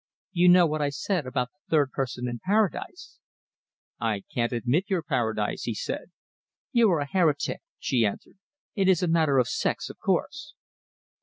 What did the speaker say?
"You know what I said about the third person in Paradise?" "I can't admit your Paradise," he said. "You are a heretic," she answered. "It is a matter of sex, of course."